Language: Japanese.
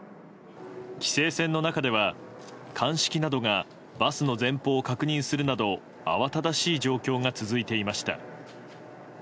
規制線の中では鑑識などがバスの前方を確認するなど慌ただしい状況が続いていました。